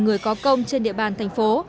người có công trên địa bàn thành phố